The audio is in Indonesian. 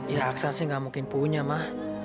ya aksan sih gak mungkin punya ma